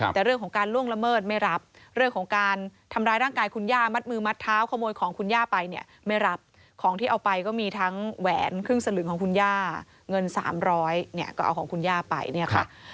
แต่เรื่องของการล่วงละเมิดไม่รับเรื่องของการทำร้ายร่างกายคุณย่ามัดมือมัดเท้าขโมยของคุณย่าไปเนี่ยไม่รับของที่เอาไปก็มีทั้งแหวนครึ่งสลึงของคุณย่าเงิน๓๐๐เนี่ยก็เอาของคุณย่าไปเนี่ยค่ะ